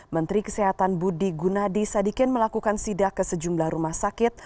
menteri kesehatan budi gunadi sadikin melakukan sida ke sejumlah rumah sakit